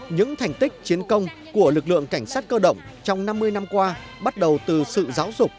những thành tích chiến công của lực lượng cảnh sát cơ động trong năm mươi năm qua bắt đầu từ sự giáo dục